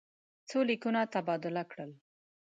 څو لیکونه تبادله کړل.